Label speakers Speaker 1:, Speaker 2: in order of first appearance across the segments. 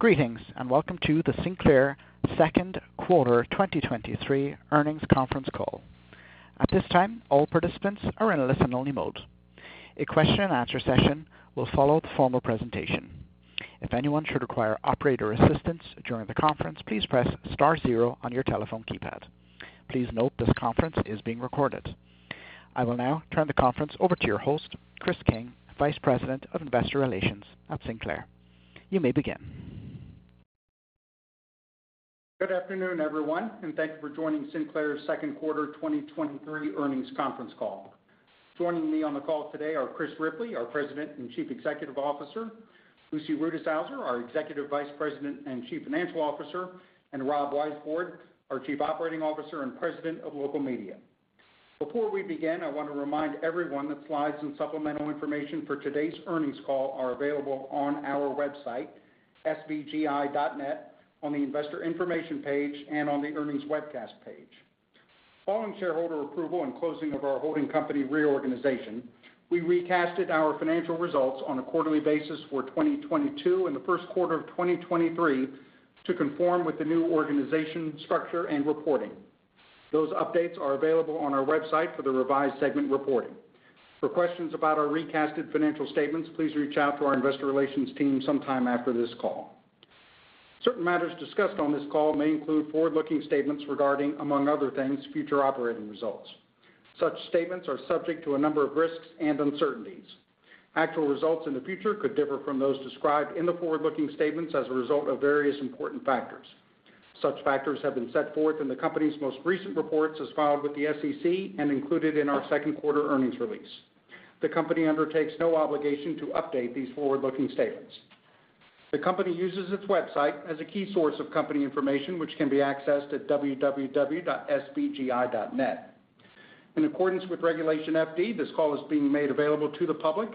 Speaker 1: Greetings, welcome to the Sinclair Q2 2023 Earnings Conference Call. At this time, all participants are in a listen-only mode. A question-and-answer session will follow the formal presentation. If anyone should require operator assistance during the conference, please press star zero on your telephone keypad. Please note, this conference is being recorded. I will now turn the conference over to your host, Chris King, Vice President of Investor Relations at Sinclair. You may begin.
Speaker 2: Good afternoon, everyone, thank you for joining Sinclair's Q2 2023 Earnings Conference Call. Joining me on the call today are Chris Ripley, our President and Chief Executive Officer, Lucy Rutishauser, our Executive Vice President and Chief Financial Officer, and Rob Weisbord, our Chief Operating Officer and President of Local Media. Before we begin, I want to remind everyone that slides and supplemental information for today's earnings call are available on our website, sbgi.net, on the Investor Information page and on the Earnings Webcast page. Following shareholder approval and closing of our holding company reorganization, we recasted our financial results on a quarterly basis for 2022 and the Q1 of 2023 to conform with the new organization structure and reporting. Those updates are available on our website for the revised segment reporting. For questions about our recasted financial statements, please reach out to our investor relations team sometime after this call. Certain matters discussed on this call may include forward-looking statements regarding, among other things, future operating results. Such statements are subject to a number of risks and uncertainties. Actual results in the future could differ from those described in the forward-looking statements as a result of various important factors. Such factors have been set forth in the company's most recent reports as filed with the SEC and included in our Q2 earnings release. The company undertakes no obligation to update these forward-looking statements. The company uses its website as a key source of company information, which can be accessed at www.sbgi.net. In accordance with Regulation FD, this call is being made available to the public.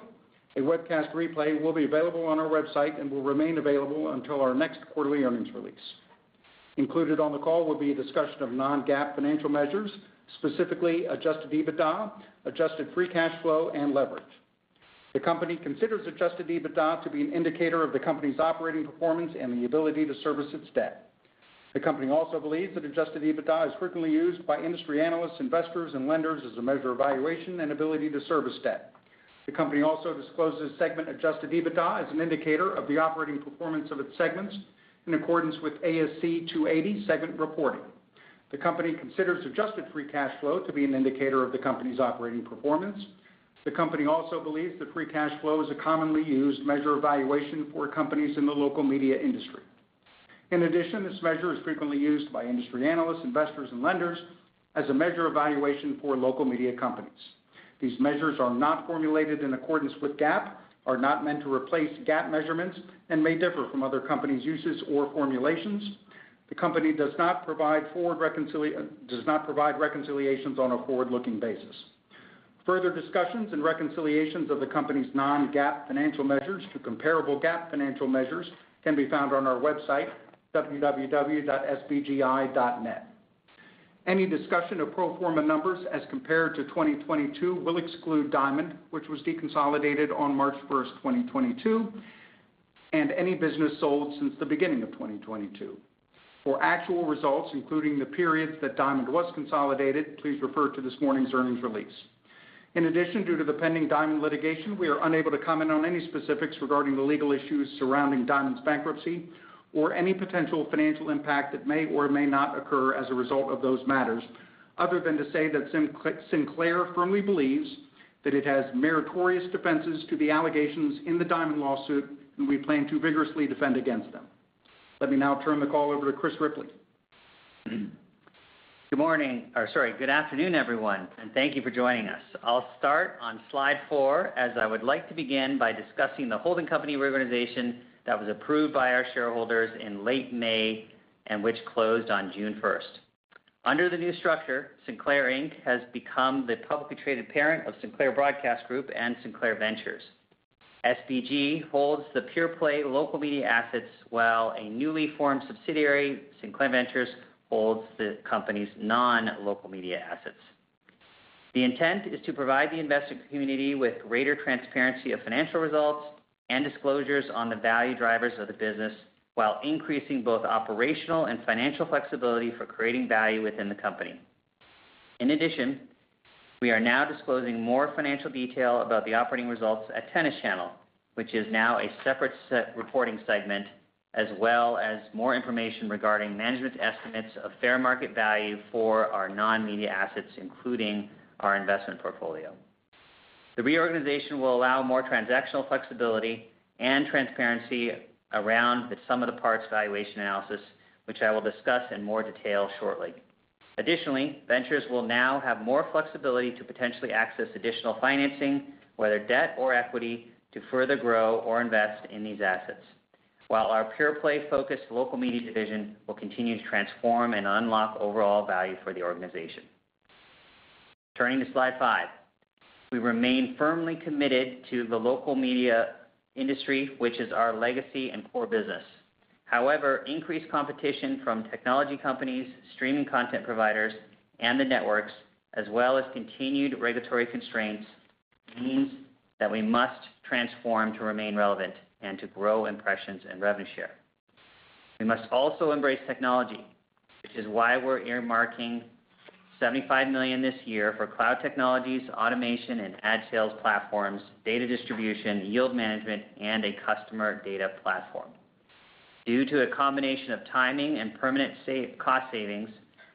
Speaker 2: A webcast replay will be available on our website and will remain available until our next quarterly earnings release. Included on the call will be a discussion of non-GAAP financial measures, specifically Adjusted EBITDA, adjusted free cash flow, and leverage. The company considers Adjusted EBITDA to be an indicator of the company's operating performance and the ability to service its debt. The company also believes that Adjusted EBITDA is frequently used by industry analysts, investors, and lenders as a measure of valuation and ability to service debt. The company also discloses segment Adjusted EBITDA as an indicator of the operating performance of its segments in accordance with ASC 280 segment reporting. The company considers adjusted free cash flow to be an indicator of the company's operating performance. The company also believes that free cash flow is a commonly used measure of valuation for companies in the local media industry. In addition, this measure is frequently used by industry analysts, investors, and lenders as a measure of valuation for local media companies. These measures are not formulated in accordance with GAAP, are not meant to replace GAAP measurements, and may differ from other companies' uses or formulations. The company does not provide reconciliations on a forward-looking basis. Further discussions and reconciliations of the company's non-GAAP financial measures to comparable GAAP financial measures can be found on our website, www.sbgi.net. Any discussion of pro forma numbers as compared to 2022 will exclude Diamond, which was deconsolidated on March 1st, 2022, and any business sold since the beginning of 2022. For actual results, including the periods that Diamond was consolidated, please refer to this morning's earnings release. In addition, due to the pending Diamond litigation, we are unable to comment on any specifics regarding the legal issues surrounding Diamond's bankruptcy or any potential financial impact that may or may not occur as a result of those matters, other than to say that Sinclair firmly believes that it has meritorious defenses to the allegations in the Diamond lawsuit, and we plan to vigorously defend against them. Let me now turn the call over to Chris Ripley.
Speaker 3: Good morning, or sorry. Good afternoon, everyone, and thank you for joining us. I'll start on slide 4, as I would like to begin by discussing the holding company reorganization that was approved by our shareholders in late May and which closed on June first. Under the new structure, Sinclair Inc. has become the publicly traded parent of Sinclair Broadcast Group and Sinclair Ventures. SBG holds the pure-play local media assets, while a newly formed subsidiary, Sinclair Ventures, holds the company's non-local media assets. The intent is to provide the investing community with greater transparency of financial results and disclosures on the value drivers of the business, while increasing both operational and financial flexibility for creating value within the company. In addition, we are now disclosing more financial detail about the operating results at Tennis Channel, which is now a separate reporting segment, as well as more information regarding management's estimates of fair market value for our non-media assets, including our investment portfolio. The reorganization will allow more transactional flexibility and transparency around the sum of the parts valuation analysis, which I will discuss in more detail shortly. Additionally, Ventures will now have more flexibility to potentially access additional financing, whether debt or equity, to further grow or invest in these assets. While our pure-play focused local media division will continue to transform and unlock overall value for the organization. Turning to slide 5. We remain firmly committed to the local media industry, which is our legacy and core business. However, increased competition from technology companies, streaming content providers, and the networks, as well as continued regulatory constraints, means that we must transform to remain relevant and to grow impressions and revenue share. We must also embrace technology, which is why we're earmarking $75 million this year for cloud technologies, automation, and ad sales platforms, data distribution, yield management, and a customer data platform. Due to a combination of timing and permanent cost savings,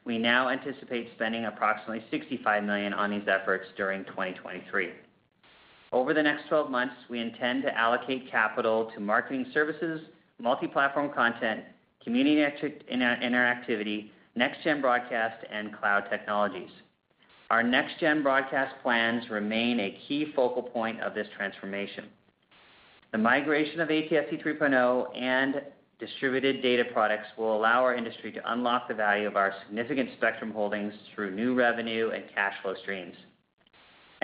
Speaker 3: we now anticipate spending approximately $65 million on these efforts during 2023. Over the next 12 months, we intend to allocate capital to marketing services, multi-platform content, community interactivity, NextGen broadcast, and cloud technologies. Our NextGen broadcast plans remain a key focal point of this transformation. The migration of ATSC 3.0 and distributed data products will allow our industry to unlock the value of our significant spectrum holdings through new revenue and cash flow streams.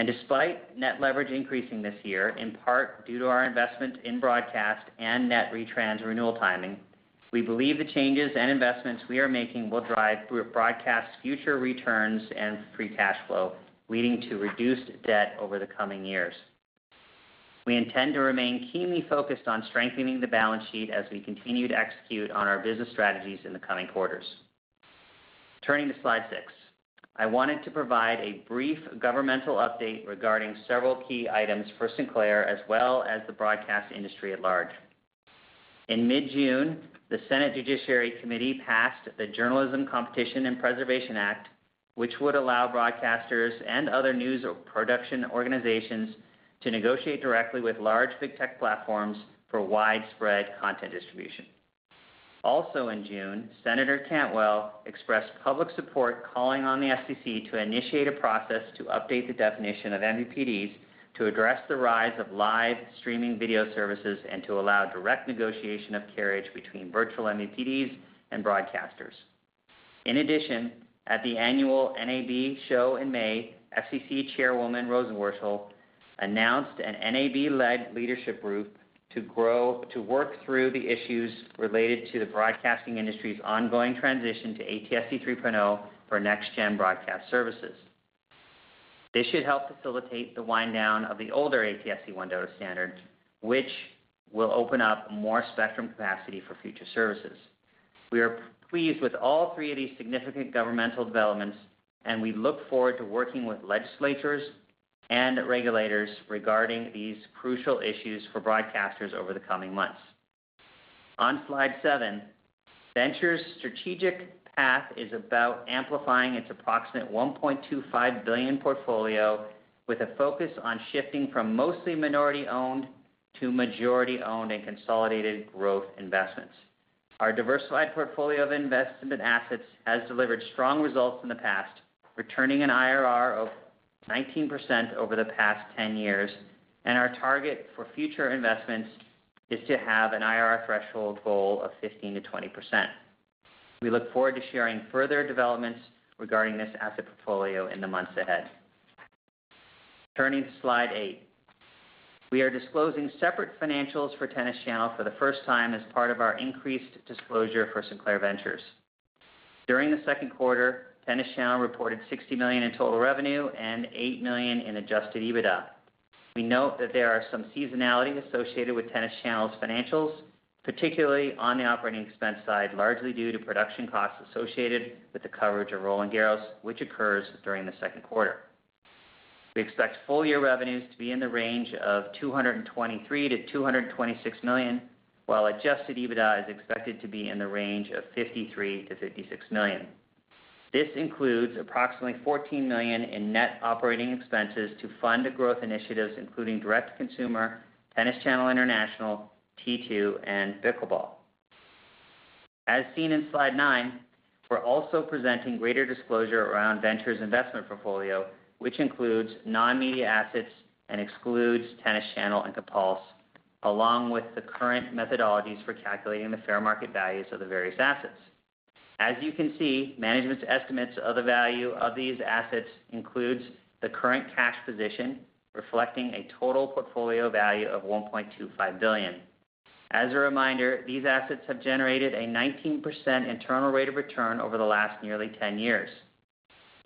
Speaker 3: Despite net leverage increasing this year, in part due to our investment in broadcast and net retrans renewal timing, we believe the changes and investments we are making will drive through broadcast future returns and free cash flow, leading to reduced debt over the coming years. We intend to remain keenly focused on strengthening the balance sheet as we continue to execute on our business strategies in the coming quarters. Turning to slide 6, I wanted to provide a brief governmental update regarding several key items for Sinclair, as well as the broadcast industry at large. In mid-June, the Senate Judiciary Committee passed the Journalism Competition and Preservation Act, which would allow broadcasters and other news or production organizations to negotiate directly with large big tech platforms for widespread content distribution. Also in June, Senator Cantwell expressed public support, calling on the FCC to initiate a process to update the definition of MVPDs to address the rise of live streaming video services and to allow direct negotiation of carriage between virtual MVPDs and broadcasters. In addition, at the annual NAB Show in May, FCC Chairwoman Rosenworcel announced an NAB-led leadership group to work through the issues related to the broadcasting industry's ongoing transition to ATSC 3.0 for next-gen broadcast services. This should help facilitate the wind down of the older ATSC 1.0 standards, which will open up more spectrum capacity for future services. We are pleased with all three of these significant governmental developments. We look forward to working with legislatures and regulators regarding these crucial issues for broadcasters over the coming months. On slide 7, Sinclair Ventures' strategic path is about amplifying its approximate $1.25 billion portfolio, with a focus on shifting from mostly minority-owned to majority-owned and consolidated growth investments. Our diversified portfolio of investment assets has delivered strong results in the past, returning an IRR of 19% over the past 10 years. Our target for future investments is to have an IRR threshold goal of 15%-20%. We look forward to sharing further developments regarding this asset portfolio in the months ahead. Turning to slide 8, we are disclosing separate financials for Tennis Channel for the first time as part of our increased disclosure for Sinclair Ventures. During the Q2, Tennis Channel reported $60 million in total revenue and $8 million in Adjusted EBITDA. We note that there are some seasonality associated with Tennis Channel's financials, particularly on the operating expense side, largely due to production costs associated with the coverage of Roland-Garros, which occurs during the Q2. We expect full year revenues to be in the range of $223 million-$226 million, while Adjusted EBITDA is expected to be in the range of $53 million-$56 million. This includes approximately $14 million in net OpEx to fund the growth initiatives, including Direct-to-Consumer, Tennis Channel International, T2, and Pickleball. As seen in slide nine, we're also presenting greater disclosure around Sinclair Ventures investment portfolio, which includes non-media assets and excludes Tennis Channel and Compulse, along with the current methodologies for calculating the fair market values of the various assets. As you can see, management's estimates of the value of these assets includes the current cash position, reflecting a total portfolio value of $1.25 billion. As a reminder, these assets have generated a 19% internal rate of return over the last nearly 10 years.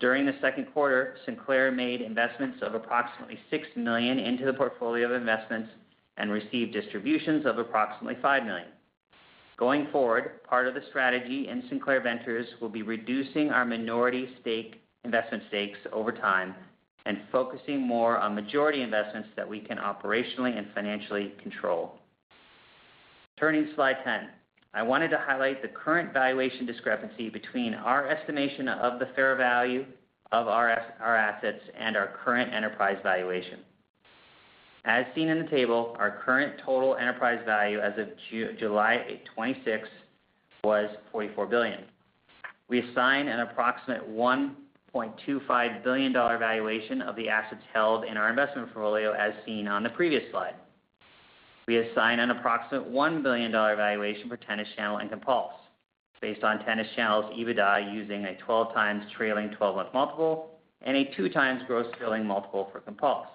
Speaker 3: During the Q2, Sinclair made investments of approximately $6 million into the portfolio of investments and received distributions of approximately $5 million. Going forward, part of the strategy in Sinclair Ventures will be reducing our minority stake, investment stakes over time and focusing more on majority investments that we can operationally and financially control. Turning to slide 10, I wanted to highlight the current valuation discrepancy between our estimation of the fair value of our assets and our current enterprise valuation. As seen in the table, our current total enterprise value as of July 26, was $44 billion. We assign an approximate $1.25 billion valuation of the assets held in our investment portfolio, as seen on the previous slide. We assign an approximate $1 billion valuation for Tennis Channel and Compulse, based on Tennis Channel's EBITDA, using a 12x trailing 12-month multiple and a 2x gross trailing multiple for Compulse.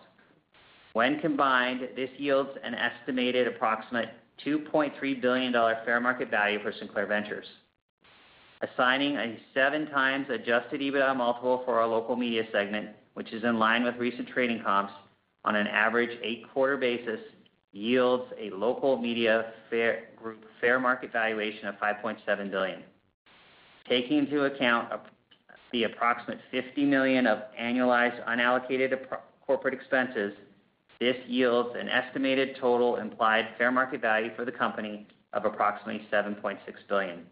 Speaker 3: When combined, this yields an estimated approximate $2.3 billion fair market value for Sinclair Ventures. Assigning a 7 times Adjusted EBITDA multiple for our local media segment, which is in line with recent trading comps on an average 8-quarter basis, yields a local media group fair market valuation of $5.7 billion. Taking into account the approximate $50 million of annualized unallocated corporate expenses, this yields an estimated total implied fair market value for the company of approximately $7.6 billion,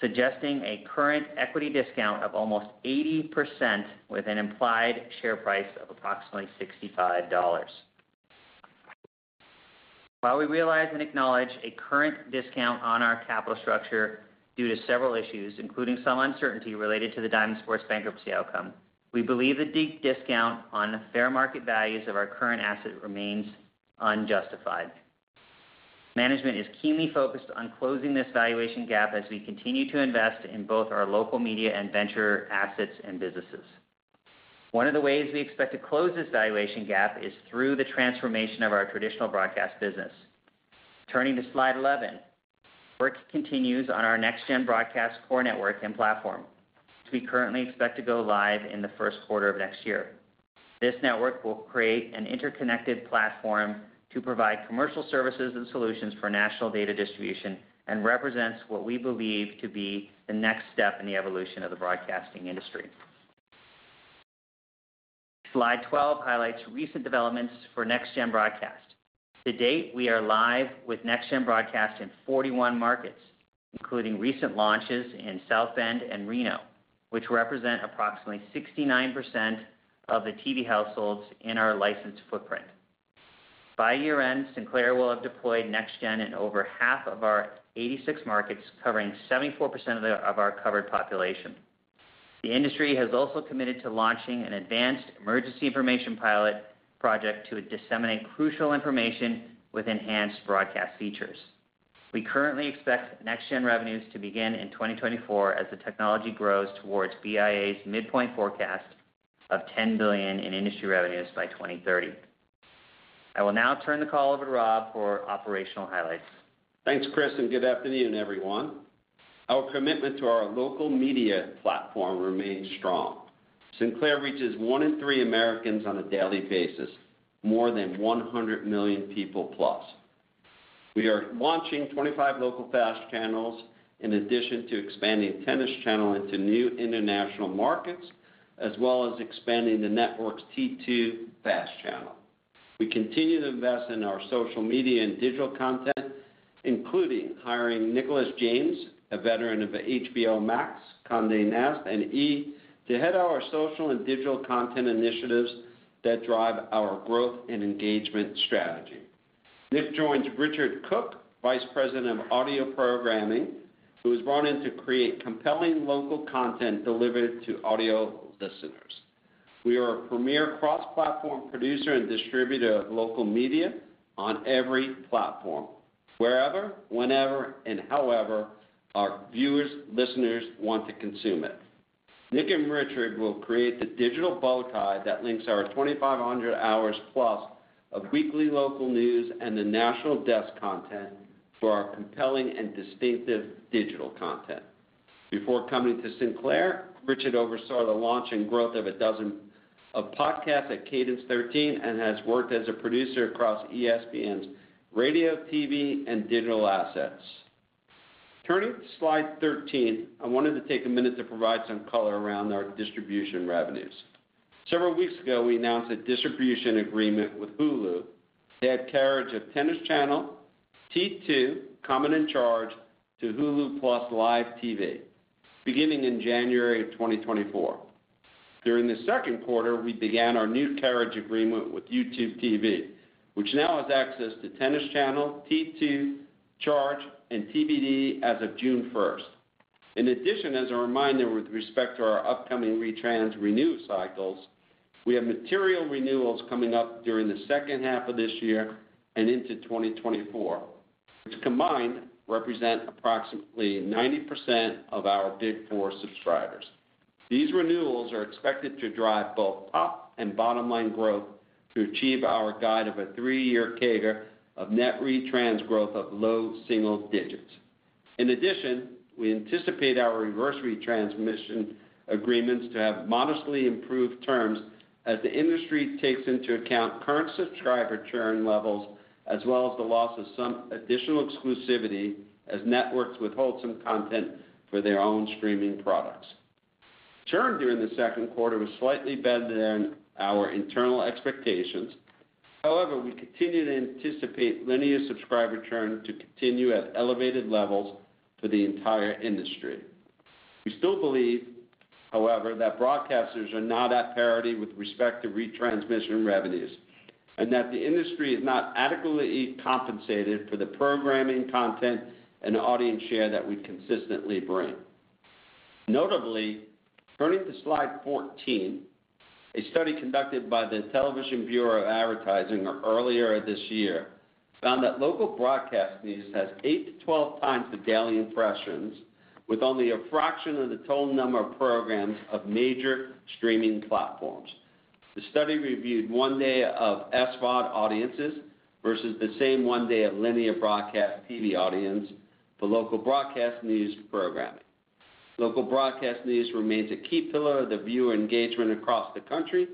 Speaker 3: suggesting a current equity discount of almost 80%, with an implied share price of approximately $65. While we realize and acknowledge a current discount on our capital structure due to several issues, including some uncertainty related to the Diamond Sports bankruptcy outcome, we believe the deep discount on the fair market values of our current asset remains unjustified. Management is keenly focused on closing this valuation gap as we continue to invest in both our local media and venture assets and businesses. One of the ways we expect to close this valuation gap is through the transformation of our traditional broadcast business. Turning to Slide 11, work continues on our NextGen broadcast core network and platform, which we currently expect to go live in the Q1 of next year. This network will create an interconnected platform to provide commercial services and solutions for national data distribution and represents what we believe to be the next step in the evolution of the broadcasting industry. Slide 12 highlights recent developments for NextGen broadcast. To date, we are live with NextGen broadcast in 41 markets, including recent launches in South Bend and Reno, which represent approximately 69% of the TV households in our licensed footprint. By year-end, Sinclair will have deployed NextGen in over half of our 86 markets, covering 74% of our covered population. The industry has also committed to launching an advanced emergency information pilot project to disseminate crucial information with enhanced broadcast features. We currently expect NextGen revenues to begin in 2024 as the technology grows towards BIA's midpoint forecast of $10 billion in industry revenues by 2030. I will now turn the call over to Rob for operational highlights.
Speaker 4: Thanks, Chris. Good afternoon, everyone. Our commitment to our local media platform remains strong. Sinclair reaches one in three Americans on a daily basis, more than 100 million people plus. We are launching 25 local FAST channels, in addition to expanding the Tennis Channel into new international markets, as well as expanding the network's T2 FAST channel. We continue to invest in our social media and digital content, including hiring Nicholas James, a veteran of HBO Max, Condé Nast, and E!, to head our social and digital content initiatives that drive our growth and engagement strategy. Nick joins Rich Cooke, Vice President of Audio Programming, who was brought in to create compelling local content delivered to audio listeners. We are a premier cross-platform producer and distributor of local media on every platform, wherever, whenever, and however our viewers, listeners want to consume it. Nick and Richard will create the digital bow tie that links our 2,500 hours plus of weekly local news and The National Desk content for our compelling and distinctive digital content. Before coming to Sinclair, Richard oversaw the launch and growth of a dozen of podcasts at Cadence13 and has worked as a producer across ESPN's radio, TV, and digital assets. Turning to slide 13, I wanted to take a minute to provide some color around our distribution revenues. Several weeks ago, we announced a distribution agreement with Hulu to add carriage of Tennis Channel, T2, Comet and CHARGE!, to Hulu + Live TV, beginning in January 2024. During the Q2, we began our new carriage agreement with YouTube TV, which now has access to Tennis Channel, T2, CHARGE!, and TBD as of June 1. In addition, as a reminder, with respect to our upcoming retrans renew cycles, we have material renewals coming up during the second half of this year and into 2024, which combined represent approximately 90% of our Big Four subscribers. These renewals are expected to drive both top and bottom-line growth to achieve our guide of a three-year CAGR of net retrans growth of low single digits. In addition, we anticipate our reverse retransmission agreements to have modestly improved terms as the industry takes into account current subscriber churn levels, as well as the loss of some additional exclusivity as networks withhold some content for their own streaming products. Churn during the Q2 was slightly better than our internal expectations. However, we continue to anticipate linear subscriber churn to continue at elevated levels for the entire industry. We still believe, however, that broadcasters are not at parity with respect to retransmission revenues. That the industry is not adequately compensated for the programming content and audience share that we consistently bring. Notably, turning to slide 14, a study conducted by the Television Bureau of Advertising earlier this year found that local broadcast news has eight to 12 times the daily impressions, with only a fraction of the total number of programs of major streaming platforms. The study reviewed one day of SVOD audiences versus the same one day of linear broadcast TV audience for local broadcast news programming. Local broadcast news remains a key pillar of the viewer engagement across the country,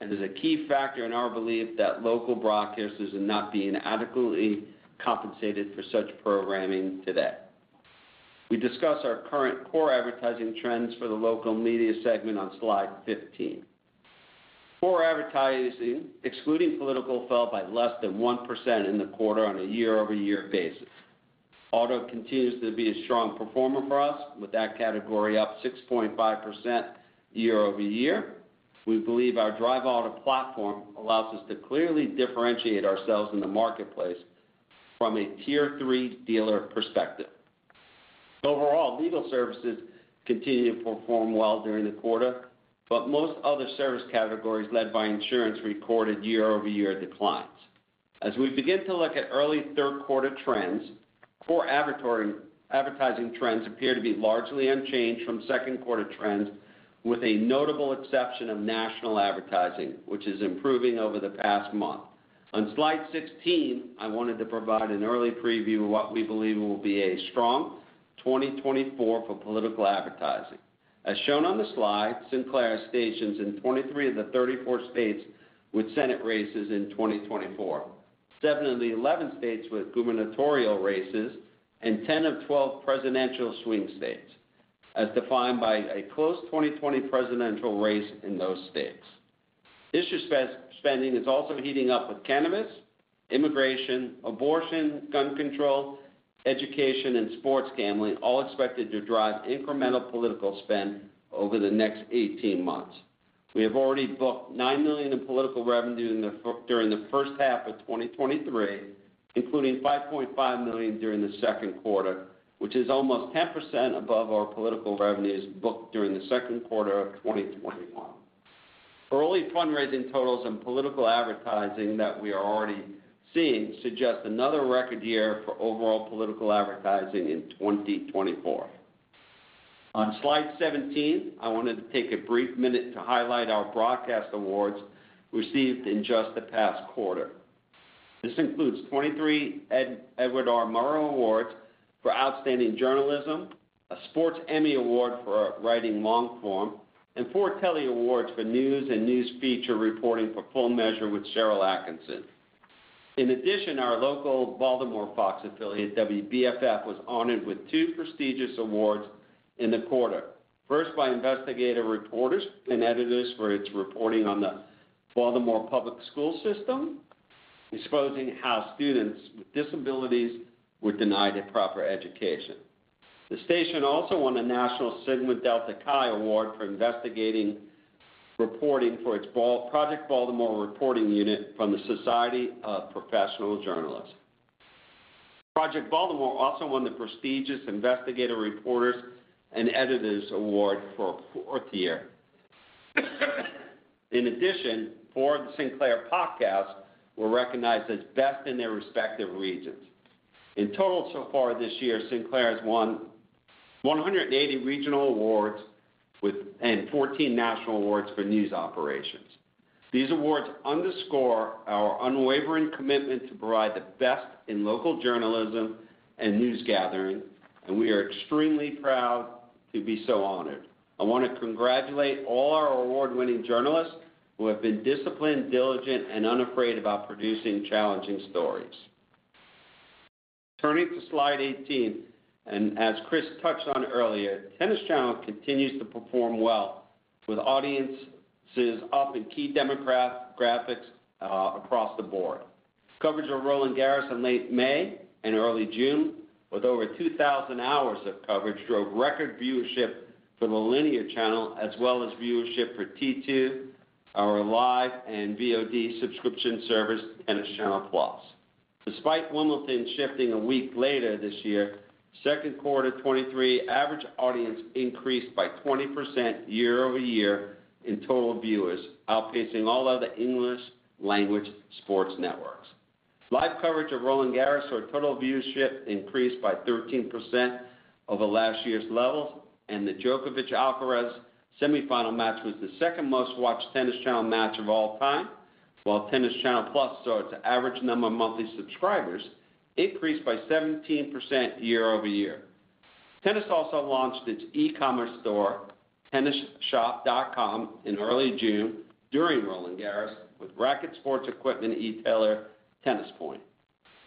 Speaker 4: and is a key factor in our belief that local broadcasters are not being adequately compensated for such programming today. We discuss our current core advertising trends for the local media segment on slide 15. Core advertising, excluding political, fell by less than 1% in the quarter on a year-over-year basis. Auto continues to be a strong performer for us, with that category up 6.5% year-over-year. We believe our Drive Auto platform allows us to clearly differentiate ourselves in the marketplace from a Tier Three dealer perspective. Overall, legal services continued to perform well during the quarter, most other service categories, led by insurance, recorded year-over-year declines. As we begin to look at early Q3 trends, core advertising trends appear to be largely unchanged from Q2 trends, with a notable exception of national advertising, which is improving over the past month. On slide 16, I wanted to provide an early preview of what we believe will be a strong 2024 for political advertising. As shown on the slide, Sinclair has stations in 23 of the 34 states with Senate races in 2024, 7 of the 11 states with gubernatorial races, and 10 of 12 presidential swing states, as defined by a close 2020 presidential race in those states. Issue spending is also heating up, with cannabis, immigration, abortion, gun control, education, and sports gambling all expected to drive incremental political spend over the next 18 months. We have already booked $9 million in political revenue during the first half of 2023, including $5.5 million during the Q2, which is almost 10% above our political revenues booked during the Q2 of 2021. Early fundraising totals and political advertising that we are already seeing suggest another record year for overall political advertising in 2024. On slide 17, I wanted to take a brief minute to highlight our broadcast awards received in just the past quarter. This includes 23 Edward R. Murrow Awards for Outstanding Journalism, a Sports Emmy Award for Writing Long Form, and 4 Telly Awards for News and News Feature Reporting for Full Measure with Sharyl Attkisson. In addition, our local Baltimore Fox affiliate, WBFF, was honored with 2 prestigious awards in the quarter. First, by investigative reporters and editors for its reporting on the Baltimore public school system, exposing how students with disabilities were denied a proper education. The station also won a national Sigma Delta Chi Award for investigating reporting for its Project Baltimore reporting unit from the Society of Professional Journalists. Project Baltimore also won the prestigious Investigative Reporters & Editors Award for a 4th year. In addition, four of the Sinclair podcasts were recognized as best in their respective regions. In total, so far this year, Sinclair has won 180 regional awards and 14 national awards for news operations. These awards underscore our unwavering commitment to provide the best in local journalism and news gathering, and we are extremely proud to be so honored. I want to congratulate all our award-winning journalists, who have been disciplined, diligent, and unafraid about producing challenging stories. Turning to slide 18, as Chris touched on earlier, Tennis Channel continues to perform well, with audiences up in key demographics across the board. Coverage of Roland-Garros in late May and early June, with over 2,000 hours of coverage, drove record viewership for the linear channel, as well as viewership for T2, our live and VOD subscription service, Tennis Channel+. Despite Wimbledon shifting a week later this year, Q2 2023 average audience increased by 20% year-over-year in total viewers, outpacing all other English language sports networks. Live coverage of Roland-Garros saw total viewership increase by 13% over last year's levels, and the Djokovic-Alcaraz semifinal match was the second most-watched Tennis Channel match of all time, while Tennis Channel+ saw its average number of monthly subscribers increase by 17% year-over-year. Tennis also launched its e-commerce store, TennisShop.com, in early June during Roland-Garros, with racket sports equipment e-tailer, Tennis Point.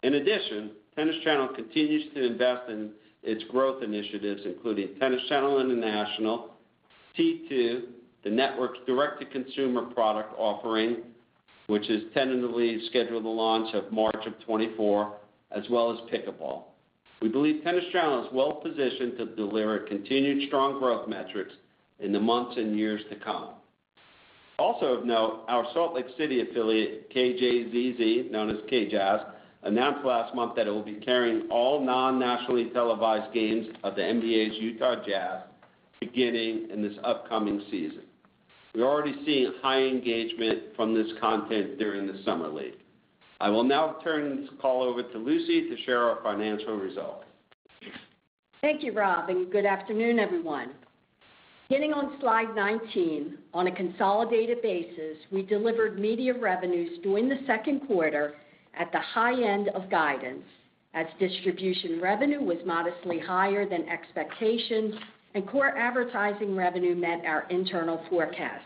Speaker 4: In addition, Tennis Channel continues to invest in its growth initiatives, including Tennis Channel International, T2, the network's direct-to-consumer product offering, which is tentatively scheduled to launch of March of 2024, as well as Pickleball. We believe Tennis Channel is well-positioned to deliver continued strong growth metrics in the months and years to come. Also of note, our Salt Lake City affiliate, KJZZ, known as KJazz, announced last month that it will be carrying all non-nationally televised games of the NBA's Utah Jazz beginning in this upcoming season. We're already seeing high engagement from this content during the summer league. I will now turn this call over to Lucy to share our financial results.
Speaker 5: Thank you, Rob. Good afternoon, everyone. Beginning on slide 19, on a consolidated basis, we delivered media revenues during the Q2 at the high end of guidance, as distribution revenue was modestly higher than expectations and core advertising revenue met our internal forecast.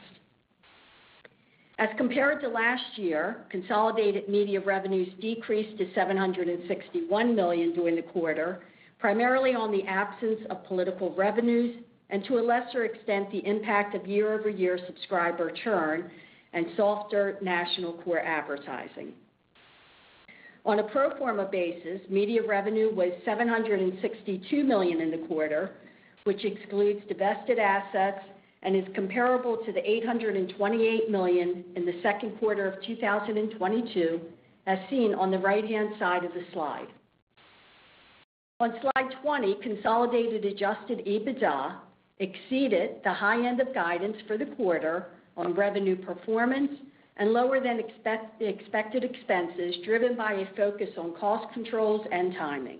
Speaker 5: As compared to last year, consolidated media revenues decreased to $761 million during the quarter, primarily on the absence of political revenues, and to a lesser extent, the impact of year-over-year subscriber churn and softer national core advertising. On a pro forma basis, media revenue was $762 million in the quarter, which excludes divested assets and is comparable to the $828 million in the Q2 of 2022, as seen on the right-hand side of the slide. On slide 20, consolidated Adjusted EBITDA exceeded the high end of guidance for the quarter on revenue performance and lower than expected expenses, driven by a focus on cost controls and timing.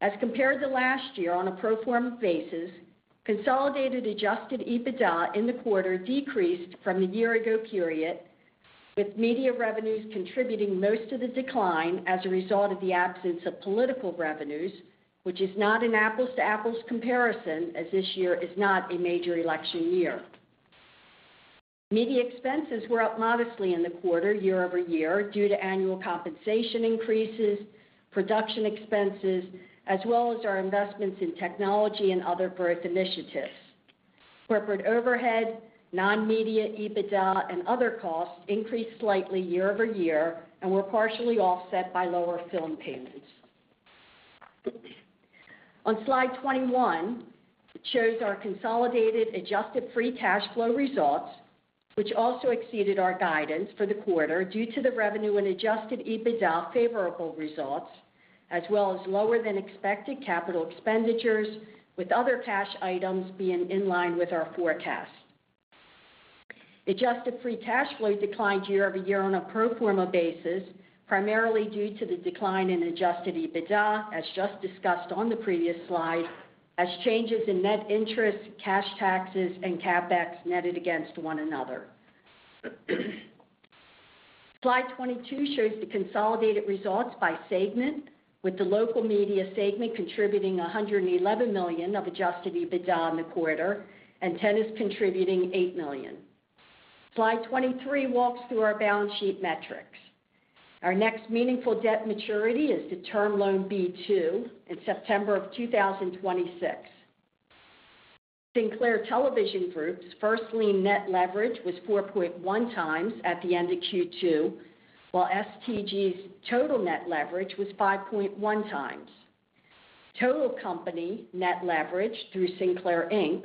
Speaker 5: As compared to last year on a pro forma basis, consolidated Adjusted EBITDA in the quarter decreased from the year ago period, with media revenues contributing most of the decline as a result of the absence of political revenues, which is not an apples-to-apples comparison, as this year is not a major election year. Media expenses were up modestly in the quarter, year-over-year, due to annual compensation increases, production expenses, as well as our investments in technology and other growth initiatives. Corporate overhead, non-media, EBITDA, and other costs increased slightly year-over-year and were partially offset by lower film payments. On slide 21, it shows our consolidated adjusted free cash flow results, which also exceeded our guidance for the quarter due to the revenue and Adjusted EBITDA favorable results, as well as lower than expected capital expenditures, with other cash items being in line with our forecast. Adjusted free cash flow declined year-over-year on a pro forma basis, primarily due to the decline in Adjusted EBITDA, as just discussed on the previous slide, as changes in net interest, cash taxes and CapEx netted against one another. Slide 22 shows the consolidated results by segment, with the local media segment contributing $111 million of Adjusted EBITDA in the quarter and tennis contributing $8 million. Slide 23 walks through our balance sheet metrics. Our next meaningful debt maturity is the Term Loan B-2 in September of 2026. Sinclair Television Group's first lien net leverage was 4.1 times at the end of Q2, while STG's total net leverage was 5.1 times. Total company net leverage through Sinclair Inc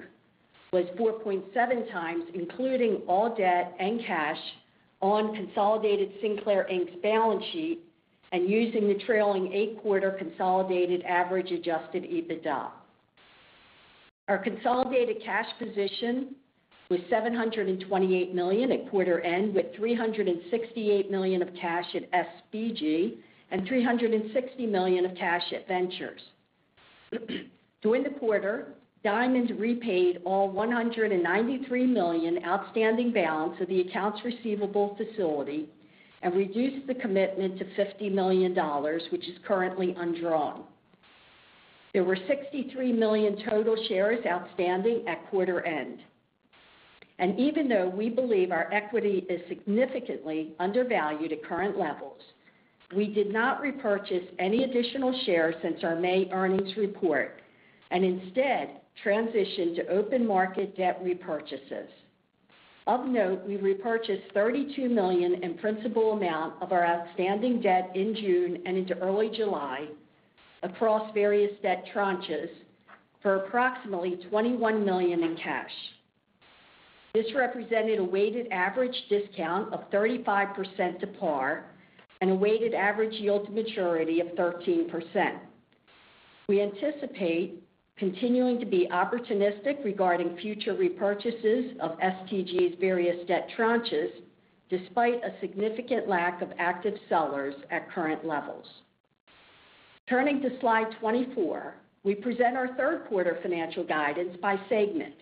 Speaker 5: was 4.7 times, including all debt and cash on consolidated Sinclair Inc's balance sheet and using the trailing eight-quarter consolidated average Adjusted EBITDA. Our consolidated cash position was $728 million at quarter end, with $368 million of cash at SBG and $360 million of cash at ventures. During the quarter, Diamond repaid all $193 million outstanding balance of the accounts receivable facility and reduced the commitment to $50 million, which is currently undrawn. There were 63 million total shares outstanding at quarter end. Even though we believe our equity is significantly undervalued at current levels, we did not repurchase any additional shares since our May earnings report and instead transitioned to open market debt repurchases. Of note, we repurchased $32 million in principal amount of our outstanding debt in June and into early July across various debt tranches for approximately $21 million in cash. This represented a weighted average discount of 35% - par and a weighted average yield to maturity of 13%. We anticipate continuing to be opportunistic regarding future repurchases of STG's various debt tranches, despite a significant lack of active sellers at current levels. Turning to slide 24, we present our Q3 financial guidance by segment.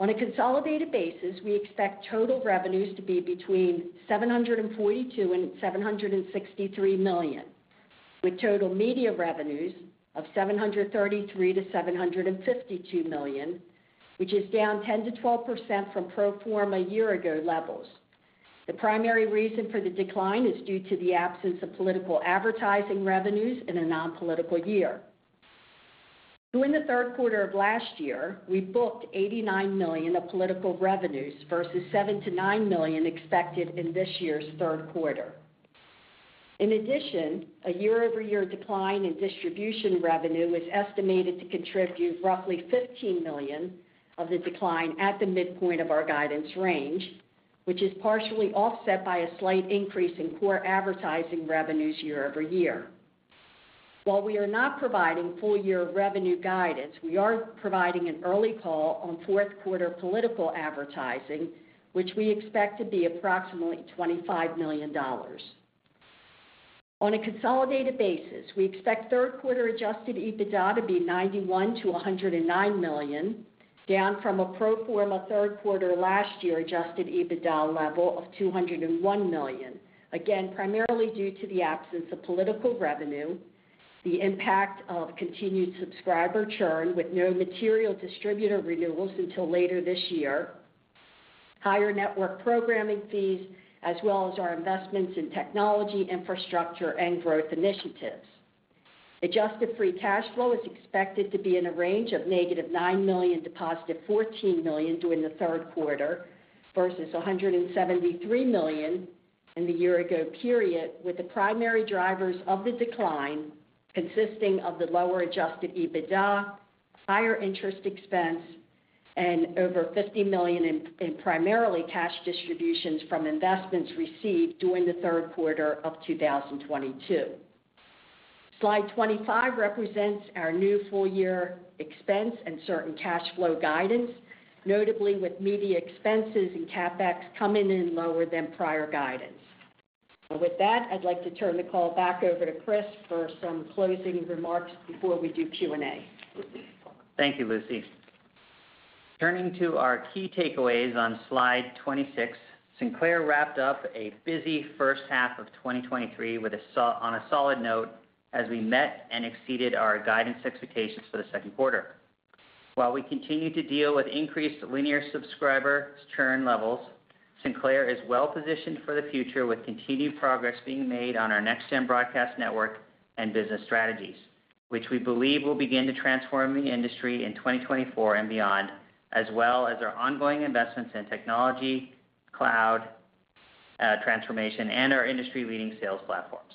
Speaker 5: On a consolidated basis, we expect total revenues to be between $742 million and $763 million, with total media revenues of $733 million-$752 million, which is down 10%-12% from pro forma year-ago levels. The primary reason for the decline is due to the absence of political advertising revenues in a non-political year. During the Q3 of last year, we booked $89 million of political revenues versus $7 million-$9 million expected in this year's Q3. In addition, a year-over-year decline in distribution revenue is estimated to contribute roughly $15 million of the decline at the midpoint of our guidance range, which is partially offset by a slight increase in core advertising revenues year-over-year. While we are not providing full-year revenue guidance, we are providing an early call on Q4 political advertising, which we expect to be approximately $25 million. On a consolidated basis, we expect Q3 Adjusted EBITDA to be $91 million-$109 million, down from a pro forma Q3 last year Adjusted EBITDA level of $201 million. Again, primarily due to the absence of political revenue, the impact of continued subscriber churn with no material distributor renewals until later this year, higher network programming fees, as well as our investments in technology, infrastructure, and growth initiatives. Adjusted free cash flow is expected to be in a range of negative $9 million to positive $14 million during the Q3, versus $173 million in the year-ago period, with the primary drivers of the decline consisting of the lower Adjusted EBITDA, higher interest expense, and over $50 million in primarily cash distributions from investments received during the Q3 of 2022. Slide 25 represents our new full year expense and certain cash flow guidance, notably with media expenses and CapEx coming in lower than prior guidance. That, I'd like to turn the call back over to Chris for some closing remarks before we do Q&A.
Speaker 3: Thank you, Lucy. Turning to our key takeaways on slide 26, Sinclair wrapped up a busy first half of 2023 on a solid note, as we met and exceeded our guidance expectations for the Q2. While we continue to deal with increased linear subscriber churn levels, Sinclair is well positioned for the future, with continued progress being made on our NextGen broadcast network and business strategies, which we believe will begin to transform the industry in 2024 and beyond, as well as our ongoing investments in technology, cloud, transformation, and our industry-leading sales platforms.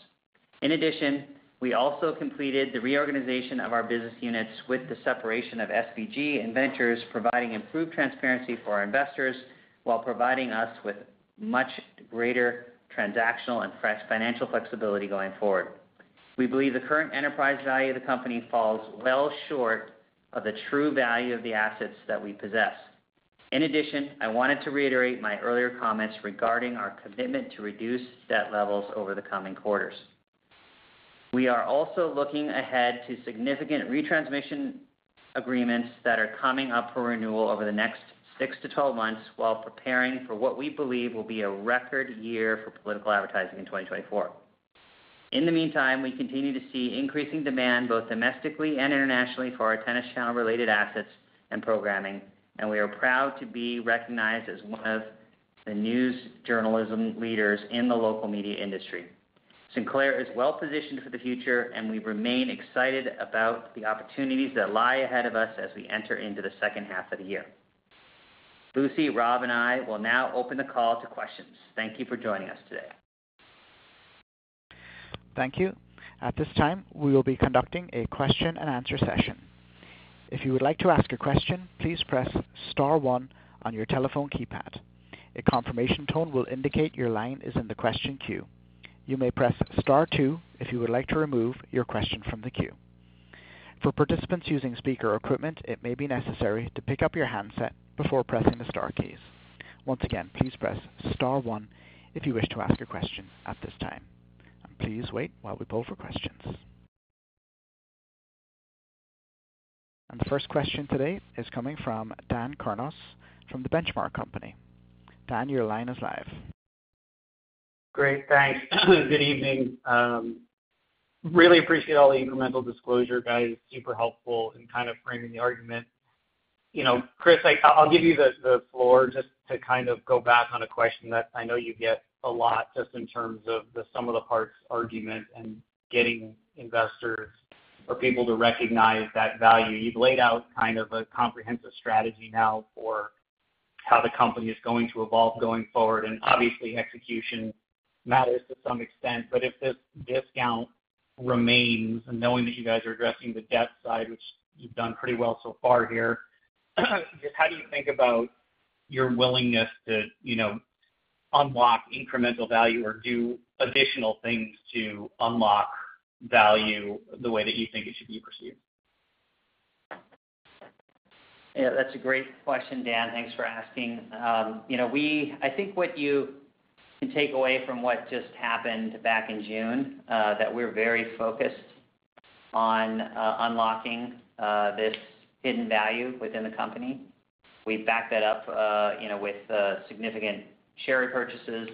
Speaker 3: In addition, we also completed the reorganization of our business units with the separation of SBG and Ventures, providing improved transparency for our investors while providing us with much greater transactional and financial flexibility going forward. We believe the current enterprise value of the company falls well short of the true value of the assets that we possess. In addition, I wanted to reiterate my earlier comments regarding our commitment to reduce debt levels over the coming quarters. We are also looking ahead to significant retransmission agreements that are coming up for renewal over the next 6-12 months, while preparing for what we believe will be a record year for political advertising in 2024. In the meantime, we continue to see increasing demand, both domestically and internationally, for our Tennis Channel-related assets and programming, and we are proud to be recognized as one of the news journalism leaders in the local media industry. Sinclair is well positioned for the future, and we remain excited about the opportunities that lie ahead of us as we enter into the second half of the year. Lucy, Rob, and I will now open the call to questions. Thank you for joining us today.
Speaker 1: Thank you. At this time, we will be conducting a question-and-answer session. If you would like to ask a question, please press star 1 on your telephone keypad. A confirmation tone will indicate your line is in the question queue. You may press star 2 if you would like to remove your question from the queue. For participants using speaker equipment, it may be necessary to pick up your handset before pressing the star keys. Once again, please press star 1 if you wish to ask a question at this time. Please wait while we poll for questions. The first question today is coming from Dan Kurnos from The Benchmark Company. Dan, your line is live.
Speaker 6: Great, thanks. Good evening. Really appreciate all the incremental disclosure, guys. Super helpful in kind of framing the argument. You know, Chris, I, I'll give you the, the floor just to kind of go back on a question that I know you get a lot just in terms of the sum of the parts argument and getting investors or people to recognize that value. You've laid out kind of a comprehensive strategy now for how the company is going to evolve going forward, and obviously, execution matters to some extent. If this discount remains and knowing that you guys are addressing the debt side, which you've done pretty well so far here, just how do you think about your willingness to, you know, unlock incremental value or do additional things to unlock value the way that you think it should be perceived?
Speaker 3: Yeah, that's a great question, Dan. Thanks for asking. You know, I think what you can take away from what just happened back in June, that we're very focused on unlocking this hidden value within the company. We've backed that up, you know, with significant share purchases,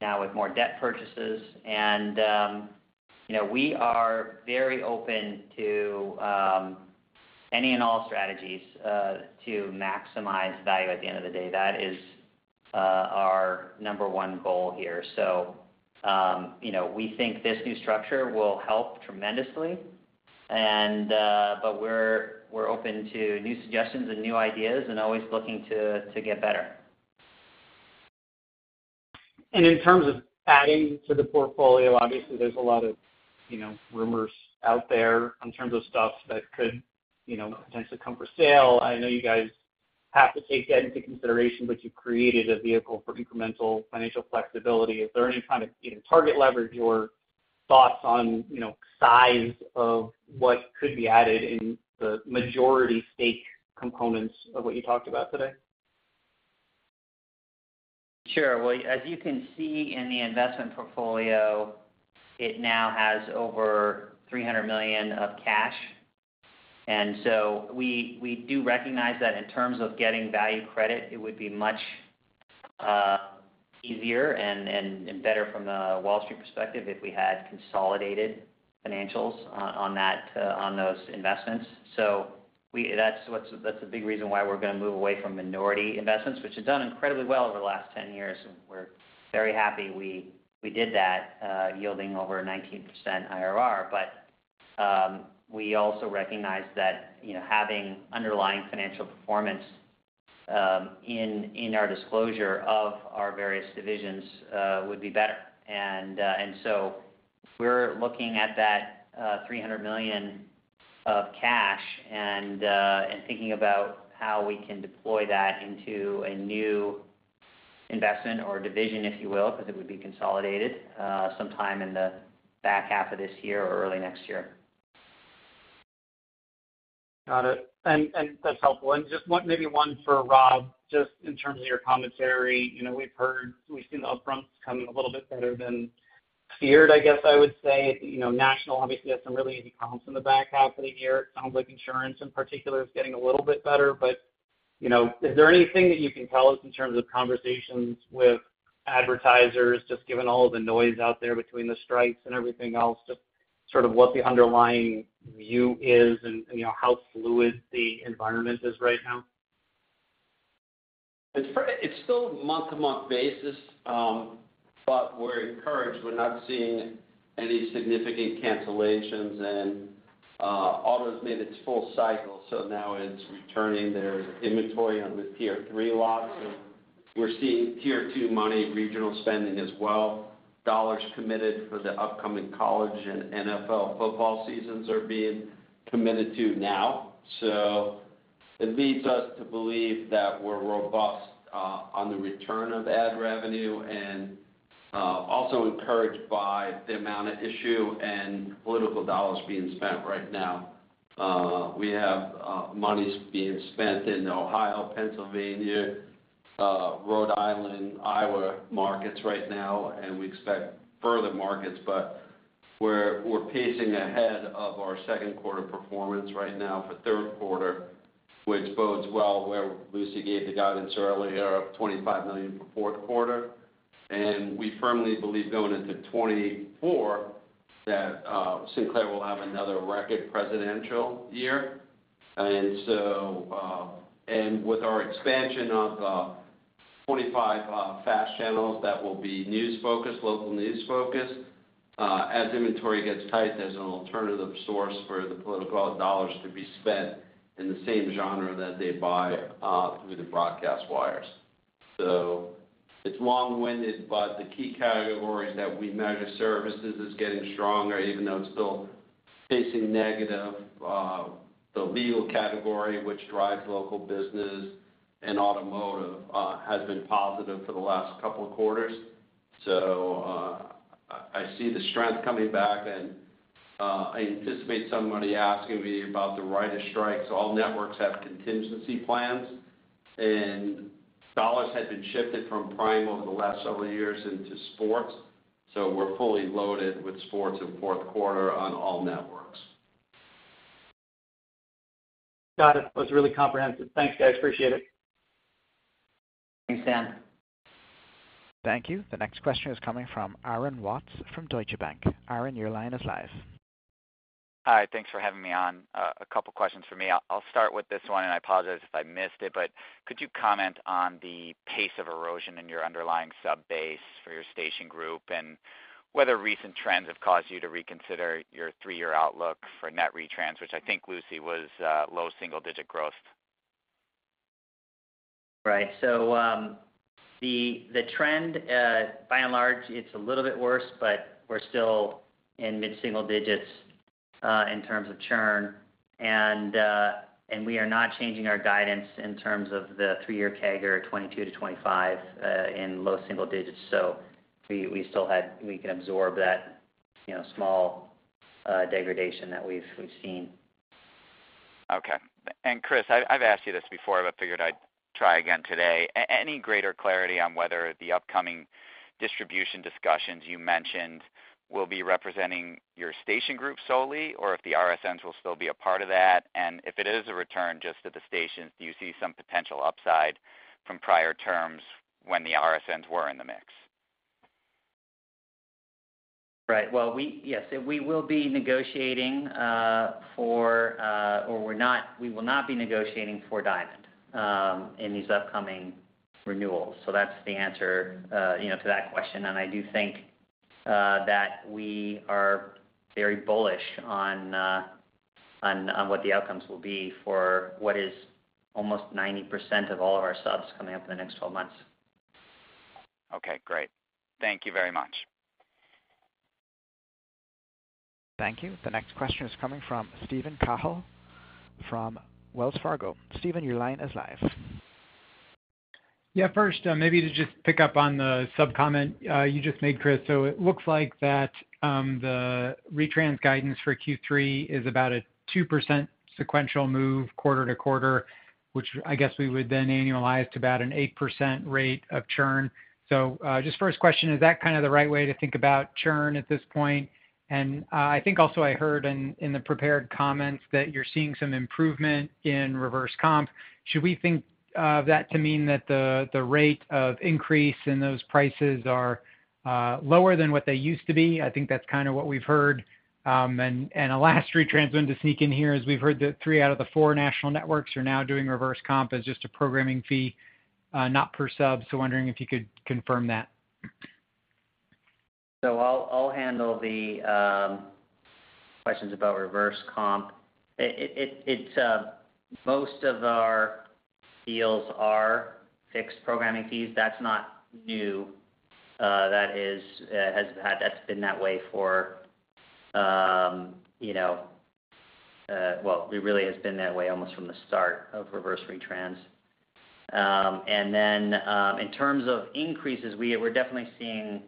Speaker 3: now with more debt purchases. You know, we are very open to any and all strategies to maximize value at the end of the day. That is our number 1 goal here. You know, we think this new structure will help tremendously, and we're open to new suggestions and new ideas and always looking to get better.
Speaker 6: In terms of adding to the portfolio, obviously, there's a lot of, you know, rumors out there in terms of stuff that could, you know, potentially come for sale. I know you guys have to take that into consideration, but you've created a vehicle for incremental financial flexibility. Is there any kind of, you know, target leverage or thoughts on, you know, size of what could be added in the majority stake components of what you talked about today?
Speaker 3: Sure. Well, as you can see in the investment portfolio, it now has over $300 million of cash. We, we do recognize that in terms of getting value credit, it would be much easier and, and, and better from the Wall Street perspective if we had consolidated financials on, on that, on those investments. That's what's that's the big reason why we're gonna move away from minority investments, which have done incredibly well over the last 10 years. We're very happy we, we did that, yielding over 19% IRR. We also recognize that, you know, having underlying financial performance in, in our disclosure of our various divisions would be better. We're looking at that, $300 million of cash and thinking about how we can deploy that into a new investment or division, if you will, because it would be consolidated, sometime in the back half of this year or early next year.
Speaker 6: Got it. That's helpful. Just one- maybe one for Rob, just in terms of your commentary. You know, we've heard, we've seen the upfronts come in a little bit better than feared, I guess I would say. You know, National obviously has some really easy comps in the back half of the year. It sounds like insurance, in particular, is getting a little bit better. You know, is there anything that you can tell us in terms of conversations with advertisers, just given all the noise out there between the strikes and everything else, just sort of what the underlying view is and, you know, how fluid the environment is right now?
Speaker 4: It's still month-to-month basis, we're encouraged. We're not seeing any significant cancellations. Auto's made its full cycle, now it's returning their inventory on the Tier Three lots. We're seeing Tier Two money, regional spending as well. Dollars committed for the upcoming college and NFL football seasons are being committed to now. It leads us to believe that we're robust on the return of ad revenue, also encouraged by the amount of issue and political dollars being spent right now. We have monies being spent in Ohio, Pennsylvania, Rhode Island, Iowa markets right now, we expect further markets. We're pacing ahead of our Q2 performance right now for Q3, which bodes well, where Lucy gave the guidance earlier of $25 million for Q4. We firmly believe going into 2024, that Sinclair will have another record presidential year. With our expansion of 45 FAST channels, that will be news-focused, local news-focused, as inventory gets tight, as an alternative source for the political $ to be spent in the same genre that they buy through the broadcast wires. It's long-winded, but the key categories that we measure, services is getting stronger, even though it's still facing negative. The legal category, which drives local business and automotive, has been positive for the last couple of quarters. I, I see the strength coming back, and I anticipate somebody asking me about the writers' strikes. All networks have contingency plans. Dollars had been shifted from prime over the last several years into sports. We're fully loaded with sports in Q4 on all networks.
Speaker 6: Got it. That was really comprehensive. Thanks, guys. Appreciate it.
Speaker 3: Thanks, Dan.
Speaker 1: Thank you. The next question is coming from Aaron Watts from Deutsche Bank. Aaron, your line is live.
Speaker 7: Hi, thanks for having me on. A couple of questions from me. I'll start with this one, and I apologize if I missed it, but could you comment on the pace of erosion in your underlying sub base for your station group? Whether recent trends have caused you to reconsider your 3-year outlook for net retrans, which I think, Lucy, was low single-digit growth.
Speaker 3: Right. The, the trend, by and large, it's a little bit worse, but we're still in mid-single digits, in terms of churn. We are not changing our guidance in terms of the three-year CAGR of 2022 to 2025, in low-single digits. We can absorb that, you know, small, degradation that we've, we've seen.
Speaker 7: Okay. Chris, I've, I've asked you this before. Figured I'd try again today. Any greater clarity on whether the upcoming distribution discussions you mentioned will be representing your station group solely, or if the RSNs will still be a part of that? If it is a return just to the stations, do you see some potential upside from prior terms when the RSNs were in the mix?
Speaker 3: Right. Well, Yes, we will be negotiating, for, We will not be negotiating for Diamond, in these upcoming renewals. That's the answer, you know, to that question. I do think, that we are very bullish on, on, on what the outcomes will be for what is almost 90% of all of our subs coming up in the next 12 months.
Speaker 7: Okay, great. Thank you very much.
Speaker 1: Thank you. The next question is coming from Steven Cahall from Wells Fargo. Steven, your line is live.
Speaker 8: Yeah, first, maybe to just pick up on the sub comment you just made, Chris. It looks like that the retrans guidance for Q3 is about a 2% sequential move quarter to quarter, which I guess we would then annualize to about an 8% rate of churn. Just first question, is that kind of the right way to think about churn at this point? I think also I heard in the prepared comments that you're seeing some improvement in reverse comp. Should we think that to mean that the rate of increase in those prices are lower than what they used to be? I think that's kind of what we've heard. The last retrans trend to sneak in here is we've heard that 3 out of the 4 national networks are now doing reverse comp as just a programming fee, not per sub. Wondering if you could confirm that.
Speaker 3: I'll, I'll handle the questions about reverse comp. It's most of our deals are fixed programming fees. That's not new. That is that's been that way for, you know, well, it really has been that way almost from the start of reverse retrans. In terms of increases, we're definitely seeing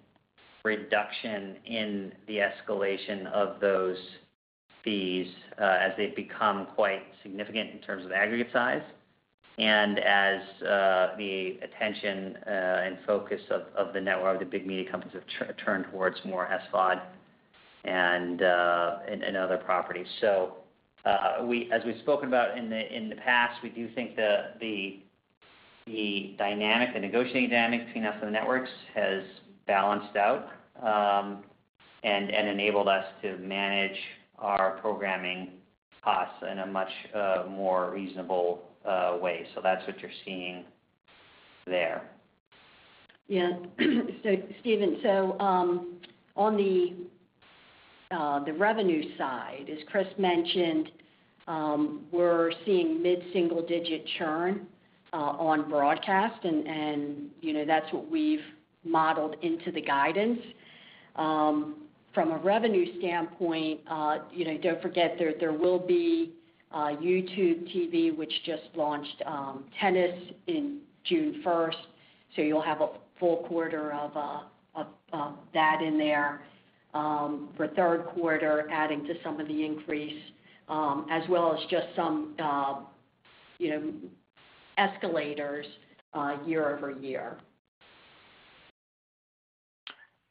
Speaker 3: reduction in the escalation of those fees, as they've become quite significant in terms of aggregate size and as the attention and focus of the network, the big media companies have turned towards more SVOD and, and, and other properties. As we've spoken about in the past, we do think the dynamic, the negotiating dynamic between us and the networks has balanced out, and enabled us to manage our programming costs in a much more reasonable way. That's what you're seeing there.
Speaker 5: Yeah. Steven, so, on the, the revenue side, as Chris mentioned, we're seeing mid-single-digit churn, on broadcast and, and, you know, that's what we've modeled into the guidance. From a revenue standpoint, you know, don't forget there, there will be YouTube TV, which just launched tennis in June 1st. You'll have a full quarter of, of, of that in there, for Q3 adding to some of the increase, as well as just some, you know, escalators, year-over-year.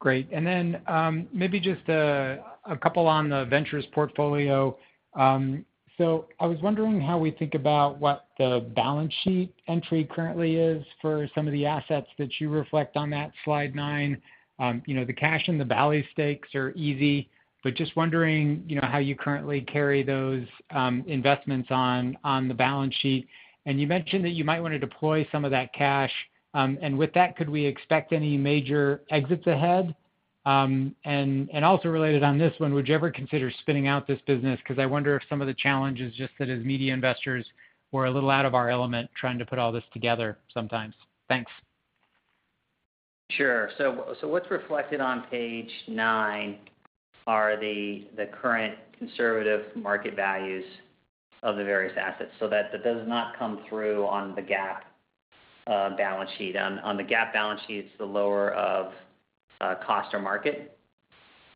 Speaker 8: Great. Maybe just a couple on the ventures portfolio. I was wondering how we think about what the balance sheet entry currently is for some of the assets that you reflect on that slide 9. You know, the cash and the Bally's stakes are easy, but just wondering, you know, how you currently carry those investments on the balance sheet. You mentioned that you might want to deploy some of that cash. With that, could we expect any major exits ahead? Also related on this one, would you ever consider spinning out this business? I wonder if some of the challenge is just that as media investors, we're a little out of our element trying to put all this together sometimes. Thanks.
Speaker 3: Sure. So what's reflected on page 9 are the current conservative market values of the various assets. That does not come through on the GAAP balance sheet. On the GAAP balance sheet, it's the lower of cost or market.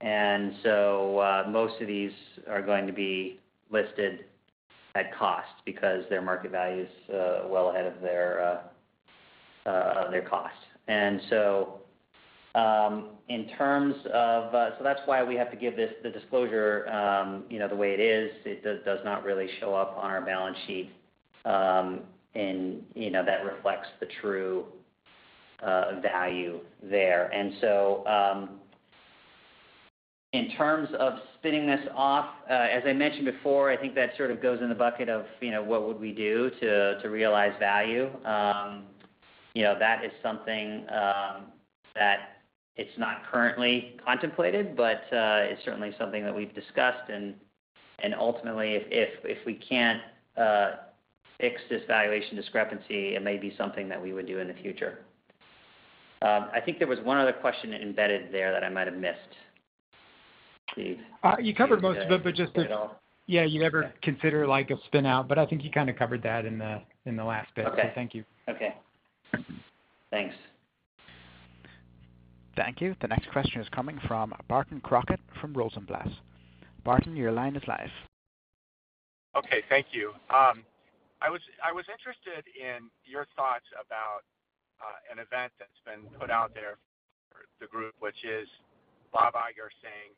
Speaker 3: Most of these are going to be listed at cost because their market value is well ahead of their cost. In terms of... That's why we have to give this, the disclosure, you know, the way it is. It does not really show up on our balance sheet, and, you know, that reflects the true value there. In terms of spinning this off, as I mentioned before, I think that sort of goes in the bucket of, you know, what would we do to, to realize value. You know, that is something that it's not currently contemplated, but it's certainly something that we've discussed. Ultimately if, if, if we can't fix this valuation discrepancy, it may be something that we would do in the future. I think there was one other question embedded there that I might have missed. Steve-
Speaker 8: You covered most of it, but just the...
Speaker 3: Did I cover it all?
Speaker 8: Yeah, you'd ever consider like a spin out, but I think you kind of covered that in the, in the last bit.
Speaker 3: Okay.
Speaker 8: Thank you.
Speaker 3: Okay. Thanks.
Speaker 1: Thank you. The next question is coming from Barton Crockett, from Rosenblatt Securities. Barton, your line is live.
Speaker 9: Okay, thank you. I was, I was interested in your thoughts about an event that's been put out there for the group, which is Bob Iger saying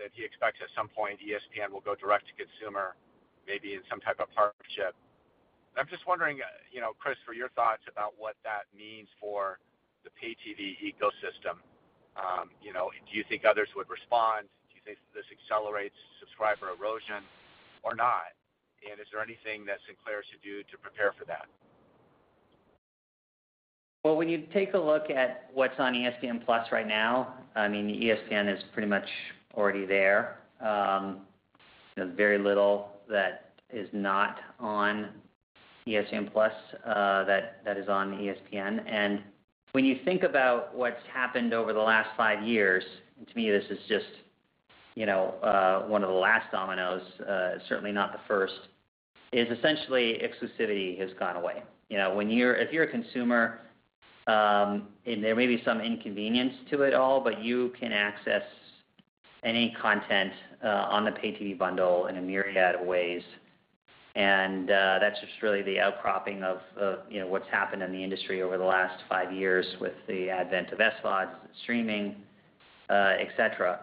Speaker 9: that he expects at some point, ESPN will go direct to consumer, maybe in some type of partnership. I'm just wondering, you know, Chris, for your thoughts about what that means for the Pay TV ecosystem. You know, do you think others would respond? Do you think this accelerates subscriber erosion or not? Is there anything that Sinclair should do to prepare for that?
Speaker 3: Well, when you take a look at what's on ESPN+ right now, I mean, ESPN is pretty much already there. You know, very little that is not on ESPN Plus that is on ESPN. When you think about what's happened over the last five years, and to me, this is just, you know, one of the last dominoes, certainly not the first, is essentially exclusivity has gone away. You know, if you're a consumer, and there may be some inconvenience to it all, but you can access any content on the pay TV bundle in a myriad of ways. That's just really the outcropping of, you know, what's happened in the industry over the last five years with the advent of SVODs, streaming, et cetera.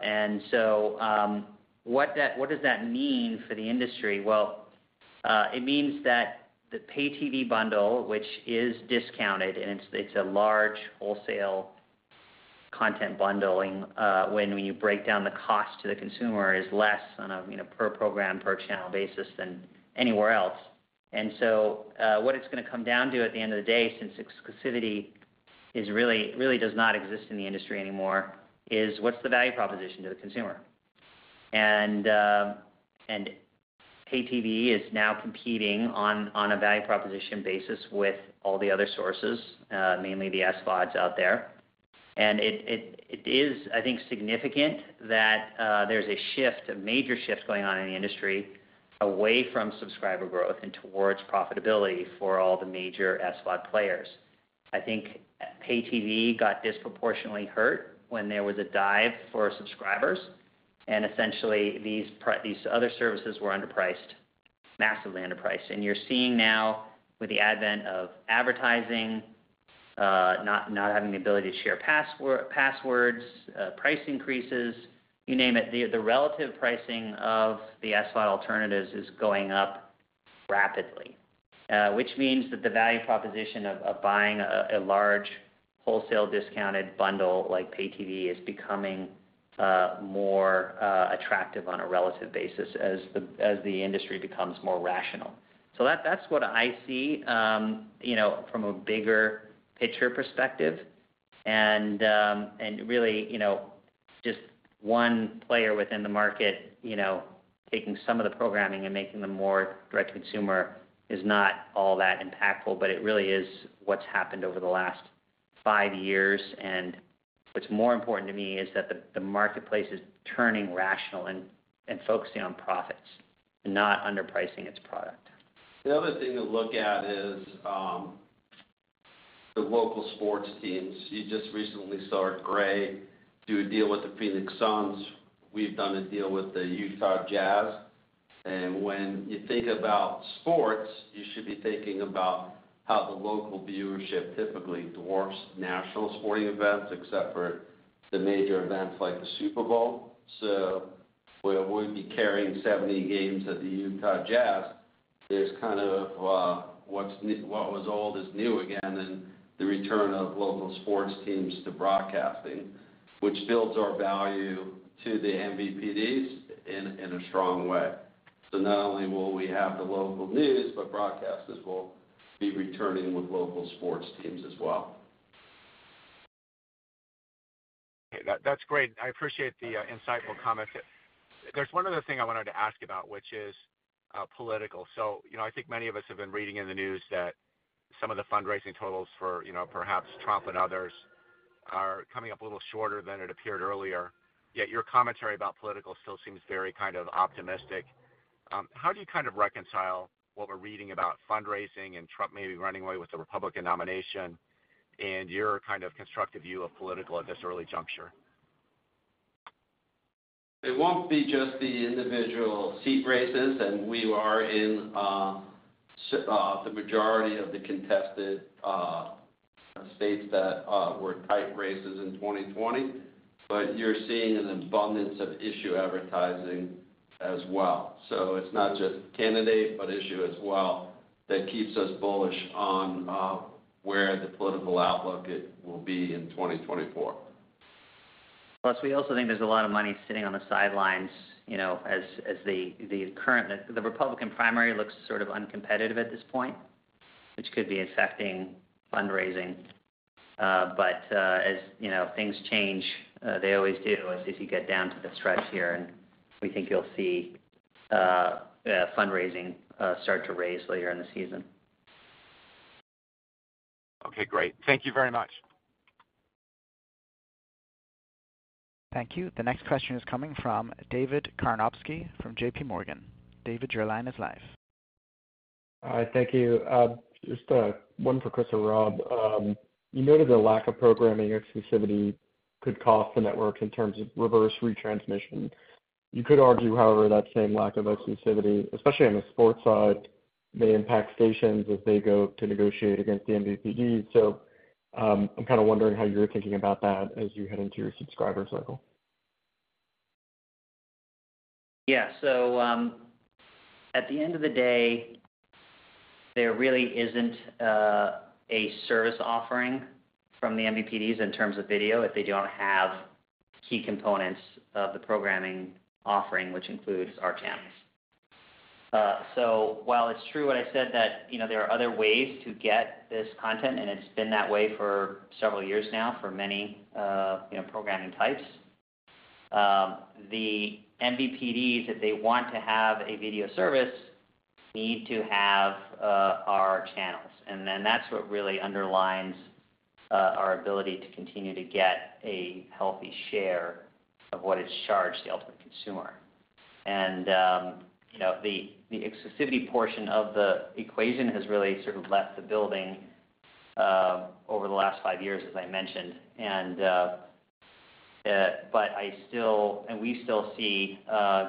Speaker 3: What does that mean for the industry? Well, it means that the pay TV bundle, which is discounted, and it's, it's a large wholesale content bundling, when you break down the cost to the consumer, is less on a, you know, per program, per channel basis than anywhere else. What it's gonna come down to at the end of the day, since exclusivity is really, really does not exist in the industry anymore, is what's the value proposition to the consumer? Pay TV is now competing on, on a value proposition basis with all the other sources, mainly the SVODs out there. It, it, it is, I think, significant that there's a shift, a major shift going on in the industry, away from subscriber growth and towards profitability for all the major SVOD players. I think pay TV got disproportionately hurt when there was a dive for subscribers, and essentially, these other services were underpriced, massively underpriced. You're seeing now, with the advent of advertising, not having the ability to share passwords, price increases, you name it. The relative pricing of the SVOD alternatives is going up rapidly, which means that the value proposition of buying a large wholesale discounted bundle like pay TV is becoming more attractive on a relative basis as the industry becomes more rational. That, that's what I see, you know, from a bigger picture perspective. Really, you know, just one player within the market, you know, taking some of the programming and making them more Direct-to-Consumer is not all that impactful, but it really is what's happened over the last five years. What's more important to me is that the marketplace is turning rational and focusing on profits, and not underpricing its product.
Speaker 4: The other thing to look at is the local sports teams. You just recently saw Gray do a deal with the Phoenix Suns. We've done a deal with the Utah Jazz, and when you think about sports, you should be thinking about how the local viewership typically dwarfs national sporting events, except for the major events like the Super Bowl. Where we'll be carrying 70 games of the Utah Jazz, is kind of what was old is new again, and the return of local sports teams to broadcasting, which builds our value to the MVPDs in a strong way. Not only will we have the local news, but broadcasters will be returning with local sports teams as well.
Speaker 9: Okay. That, that's great. I appreciate the insightful comments. There's one other thing I wanted to ask about, which is political. You know, I think many of us have been reading in the news that some of the fundraising totals for, you know, perhaps Trump and others, are coming up a little shorter than it appeared earlier. Your commentary about political still seems very kind of optimistic. How do you kind of reconcile what we're reading about fundraising and Trump maybe running away with the Republican nomination, and your kind of constructive view of political at this early juncture?
Speaker 4: It won't be just the individual seat races, and we are in the majority of the contested states that were tight races in 2020. You're seeing an abundance of issue advertising as well. It's not just candidate, but issue as well, that keeps us bullish on where the political outlook it will be in 2024.
Speaker 3: We also think there's a lot of money sitting on the sidelines, you know, as the Republican primary looks sort of uncompetitive at this point, which could be affecting fundraising. As you know, things change, they always do, as if you get down to the stretch here, and we think you'll see fundraising start to raise later in the season.
Speaker 9: Okay, great. Thank you very much.
Speaker 1: Thank you. The next question is coming from David Karnovsky from JP Morgan. David, your line is live.
Speaker 10: Hi, thank you. Just one for Chris or Rob. You noted the lack of programming exclusivity could cost the network in terms of reverse retransmission. You could argue, however, that same lack of exclusivity, especially on the sports side, may impact stations as they go to negotiate against the MVPD. I'm kind of wondering how you're thinking about that as you head into your subscriber cycle?
Speaker 3: Yeah. At the end of the day, there really isn't, a service offering from the MVPDs in terms of video, if they don't have key components of the programming offering, which includes our channels. While it's true what I said, that, you know, there are other ways to get this content, and it's been that way for several years now for many, you know, programming types, the MVPDs, if they want to have a video service, need to have, our channels. Then that's what really underlines, our ability to continue to get a healthy share of what is charged to the ultimate consumer. You know, the, the exclusivity portion of the equation has really sort of left the building, over the last five years, as I mentioned. We still see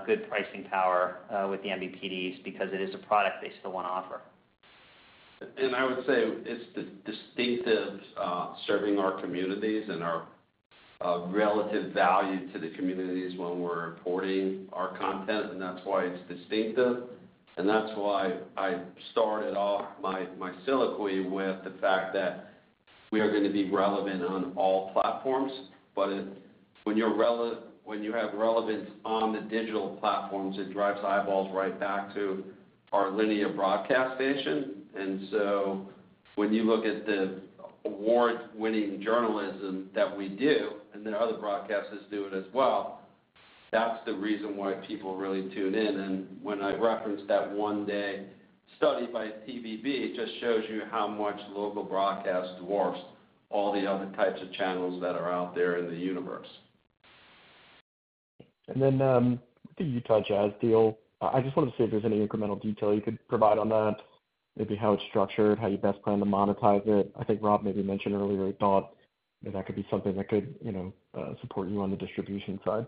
Speaker 3: good pricing power with the MVPDs because it is a product they still want to offer.
Speaker 4: I would say it's the distinctives, serving our communities and our relative value to the communities when we're importing our content, and that's why it's distinctive. That's why I started off my, my soliloquy with the fact that we are going to be relevant on all platforms. When you have relevance on the digital platforms, it drives eyeballs right back to our linear broadcast station. When you look at the award-winning journalism that we do, and then other broadcasters do it as well, that's the reason why people really tune in. When I referenced that one day study by CBB, it just shows you how much local broadcast dwarfs all the other types of channels that are out there in the universe.
Speaker 10: Then, the Utah Jazz deal, I just wanted to see if there's any incremental detail you could provide on that. Maybe how it's structured, how you best plan to monetize it. I think Rob maybe mentioned earlier, they thought that that could be something that could, you know, support you on the distribution side.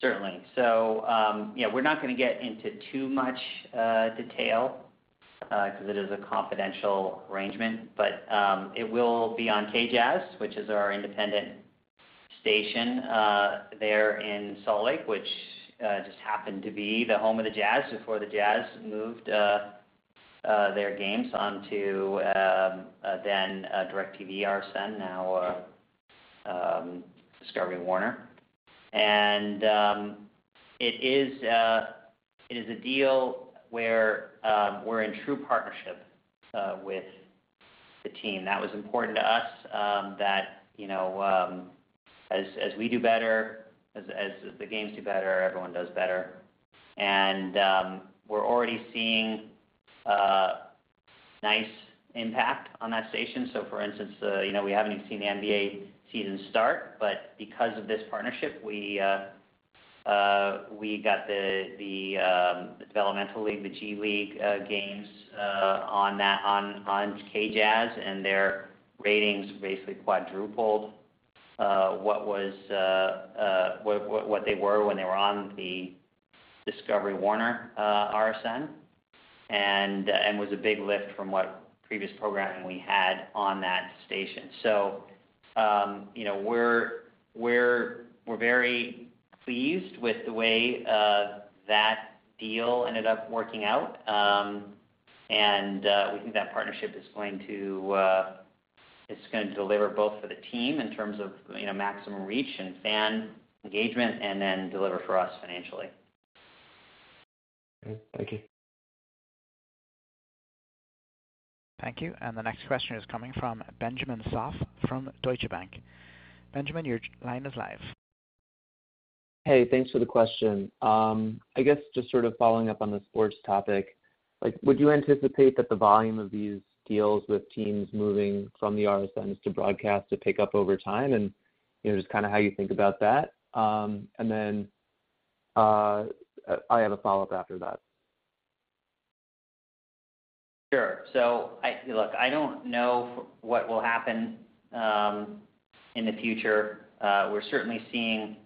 Speaker 3: Certainly. Yeah, we're not going to get into too much detail because it is a confidential arrangement. It will be on KJazz, which is our independent station there in Salt Lake, which just happened to be the home of the Jazz before the Jazz moved their games onto then DIRECTV RSN, now Warner Bros. Discovery. It is a deal where we're in true partnership with the team. That was important to us, that you know, as as we do better, as as the games do better, everyone does better. We're already seeing a nice impact on that station. For instance, you know, we haven't even seen the NBA season start, but because of this partnership, we got the, the Developmental League, the G League games on that, on KJazz, and their ratings basically quadrupled what was what they were when they were on the Warner Bros. Discovery RSN, and was a big lift from what previous programming we had on that station. You know, we're, we're, we're very pleased with the way that deal ended up working out. We think that partnership is going to, it's going to deliver both for the team in terms of, you know, maximum reach and fan engagement, and then deliver for us financially.
Speaker 10: Great. Thank you.
Speaker 1: Thank you. The next question is coming from Benjamin Soff from Deutsche Bank. Benjamin, your line is live.
Speaker 11: Hey, thanks for the question. I guess just sort of following up on the sports topic, like, would you anticipate that the volume of these deals with teams moving from the RSNs to broadcast to pick up over time? You know, just kind of how you think about that. I have a follow-up after that.
Speaker 3: Sure. I-- look, I don't know what will happen in the future. We're certainly seeing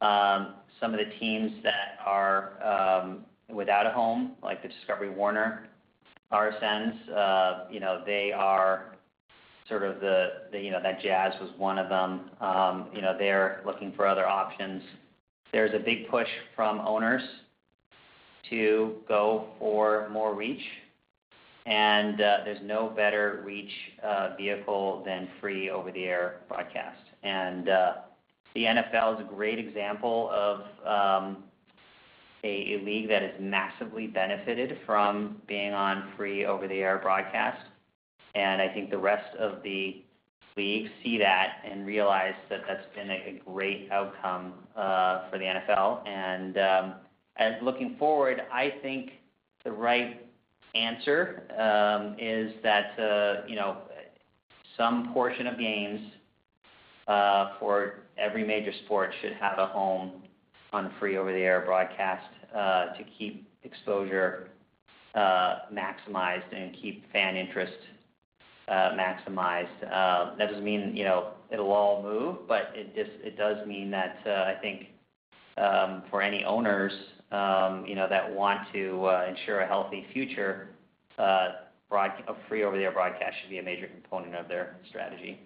Speaker 3: some of the teams that are without a home, like the Discovery Warner RSNs. You know, they are sort of the, the, you know, that Utah Jazz was one of them. You know, they're looking for other options. There's a big push from owners to go for more reach, there's no better reach vehicle than free over-the-air broadcast. The NFL is a great example of a league that has massively benefited from being on free over-the-air broadcast. I think the rest of the leagues see that and realize that that's been a great outcome for the NFL. As looking forward, I think the right answer is that, you know, some portion of games for every major sport should have a home on free over-the-air broadcast to keep exposure maximized and keep fan interest maximized. That doesn't mean, you know, it'll all move, but it just, it does mean that, I think, for any owners, you know, that want to ensure a healthy future, a free over-the-air broadcast should be a major component of their strategy.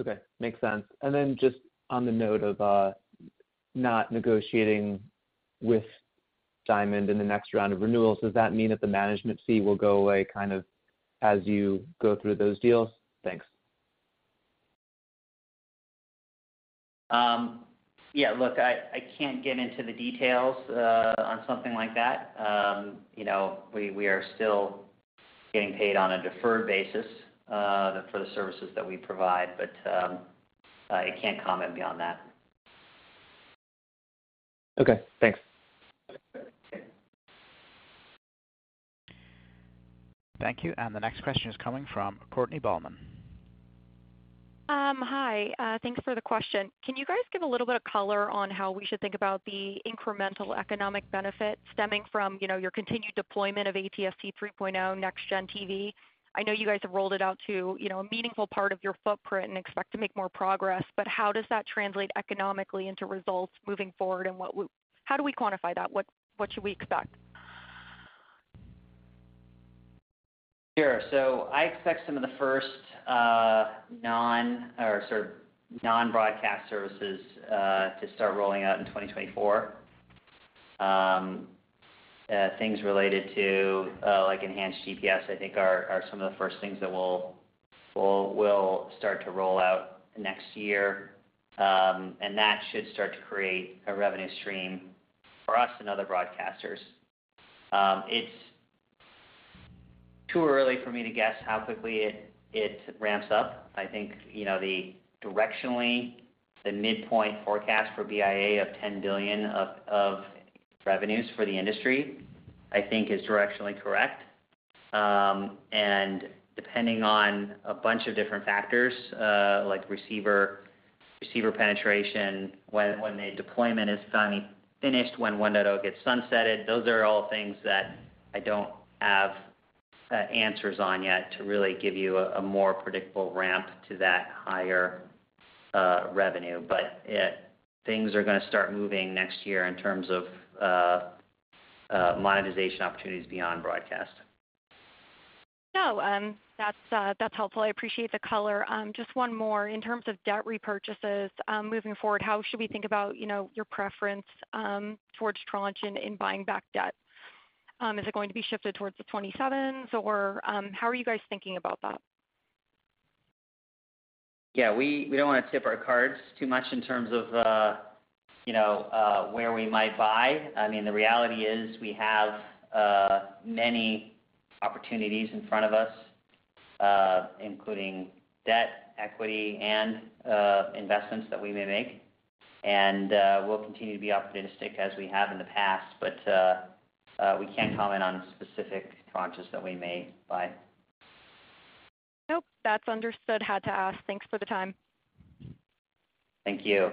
Speaker 11: Okay, makes sense. Then just on the note of not negotiating with Diamond in the next round of renewals, does that mean that the management fee will go away kind of as you go through those deals? Thanks.
Speaker 3: Yeah, look, I, I can't get into the details on something like that. You know, we, we are still getting paid on a deferred basis for the services that we provide. I can't comment beyond that.
Speaker 6: Okay, thanks.
Speaker 1: Thank you. The next question is coming from Courtney Bauman.
Speaker 12: Hi. Thanks for the question. Can you guys give a little bit of color on how we should think about the incremental economic benefit stemming from, you know, your continued deployment of ATSC 3.0 NextGen TV? I know you guys have rolled it out to, you know, a meaningful part of your footprint and expect to make more progress, but how does that translate economically into results moving forward? How do we quantify that? What, what should we expect?
Speaker 3: Sure. I expect some of the first, non or sort of non-broadcast services, to start rolling out in 2024. Things related to, like enhanced GPS, I think are, are some of the first things that we'll, we'll, we'll start to roll out next year. That should start to create a revenue stream for us and other broadcasters. It's too early for me to guess how quickly it, it ramps up. I think, you know, the directionally, the midpoint forecast for BIA of $10 billion of revenues for the industry, I think is directionally correct. Depending on a bunch of different factors, like receiver, receiver penetration, when, when the deployment is finally finished, when 1.0 gets sunsetted, those are all things that I don't have answers on yet to really give you a more predictable ramp to that higher revenue. Things are gonna start moving next year in terms of monetization opportunities beyond broadcast.
Speaker 12: That's that's helpful. I appreciate the color. Just 1 more. In terms of debt repurchases, moving forward, how should we think about, you know, your preference, towards tranche in, in buying back debt? Is it going to be shifted towards the 27s, or, how are you guys thinking about that?
Speaker 3: Yeah, we, we don't wanna tip our cards too much in terms of, you know, where we might buy. I mean, the reality is we have many opportunities in front of us, including debt, equity, and investments that we may make. We'll continue to be optimistic as we have in the past, but we can't comment on specific tranches that we may buy.
Speaker 12: Nope, that's understood. Had to ask. Thanks for the time.
Speaker 3: Thank you.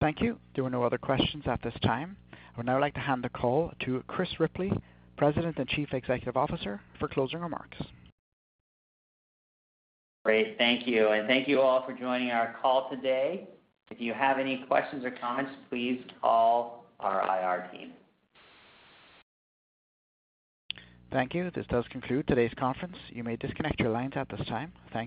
Speaker 1: Thank you. There are no other questions at this time. I would now like to hand the call to Chris Ripley, President and Chief Executive Officer, for closing remarks.
Speaker 3: Great, thank you. Thank you all for joining our call today. If you have any questions or comments, please call our IR team.
Speaker 1: Thank you. This does conclude today's conference. You may disconnect your lines at this time. Thank you.